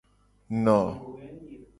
Eno.